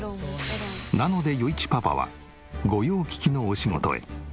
なので余一パパは御用聞きのお仕事へ。